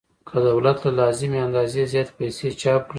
که دولت له لازمې اندازې زیاتې پیسې چاپ کړي